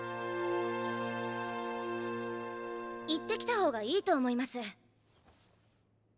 行ってきた方がいいと思います。